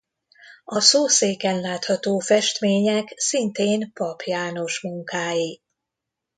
A szószéken látható festmények szintén Pap János munkái.